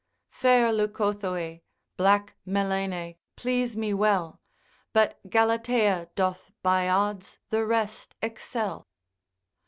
Fair Leucothe, black Melene please me well, But Galatea doth by odds the rest excel.